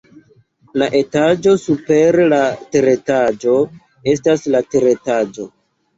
La etaĝo super la teretaĝo estas la teretaĝo.